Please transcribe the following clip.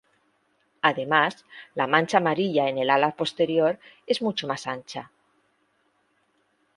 Además, la mancha amarilla en el ala posterior es mucho más ancha.